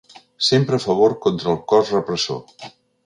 Sempre a favor contra el cos repressor.